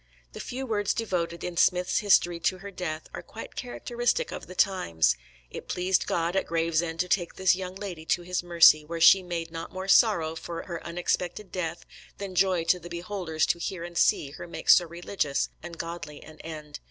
The few words devoted in Smith's History to her death are quite characteristic of the times: It pleased God at Gravesend to take this young lady to His mercy, where she made not more sorrow for her unexpected death than joy to the beholders to hear and see her make so religious and godly an end.